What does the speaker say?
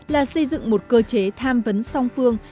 là xây dựng một cơ chế tham vấn song phương